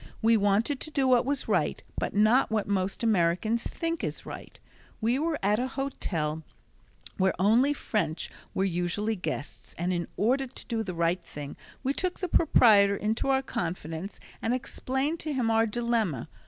We wanted to do what was right but not what most Americans think is right We were at a hotel where only French were usually guests, and in order to do the right thing we took the proprietor into our confidence and explained to him our dilemma.